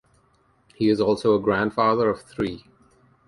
He is also a grandfather of three.